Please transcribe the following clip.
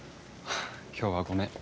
今日はごめん。